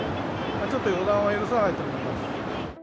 ちょっと予断は許さないと思いま